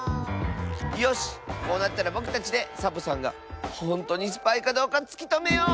よしこうなったらぼくたちでサボさんがほんとうにスパイかどうかつきとめよう！